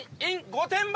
御殿場！